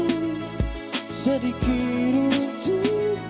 tepatlah dengan percaryaan pada uang